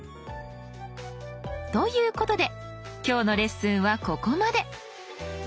ということで今日のレッスンはここまで。